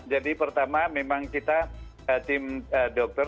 pertama memang kita tim dokter